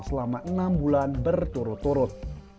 selama enam bulan berturut turut